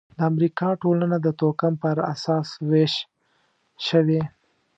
د امریکا ټولنه د توکم پر اساس وېش شوې.